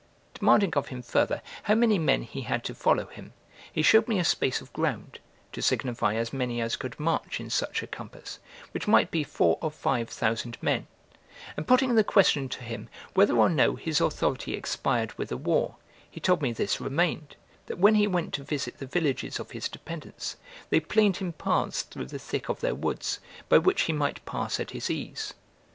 Demanding of him further how many men he had to follow him, he showed me a space of ground, to signify as many as could march in such a compass, which might be four or five thousand men; and putting the question to him whether or no his authority expired with the war, he told me this remained: that when he went to visit the villages of his dependence, they planed him paths through the thick of their woods, by which he might pass at his ease.